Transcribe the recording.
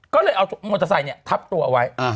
ก็เลยเอามอเตอร์ไซค์ทับตัวไว้